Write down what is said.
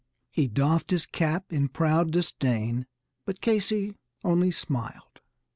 He doffed his cap in proud disdain but Casey only smiled.